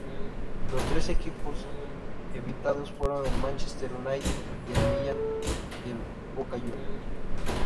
Los tres equipos invitados fueron: el Manchester United, el Milan y Boca Juniors.